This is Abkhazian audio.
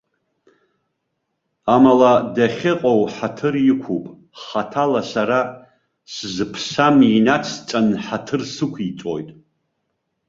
Амала, дахьыҟоу ҳаҭыр иқәуп, хаҭала сара, сзыԥсам инацҵан ҳаҭыр сықәиҵоит.